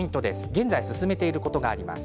現在進めていることもあります。